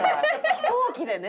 飛行機でね。